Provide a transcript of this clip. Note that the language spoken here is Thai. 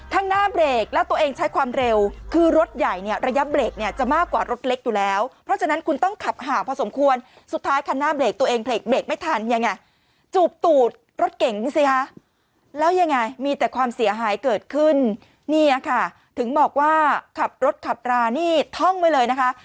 ข้างหน้าเบรกแล้วตัวเองใช้ความเร็วคือรถใหญ่เนี่ยระยะเบรกเนี่ยจะมากกว่ารถเล็กอยู่แล้วเพราะฉะนั้นคุณต้องขับห่างพอสมควรสุดท้ายคันหน้าเบรกตัวเองเบรกเบรกไม่ทันยังไงจูบตูดรถเก๋งสิคะแล้วยังไงมีแต่ความเสียหายเกิดขึ้นเนี่ยค่ะถึงบอกว่าขับรถขับรานี่ท่องไว้เลยนะคะ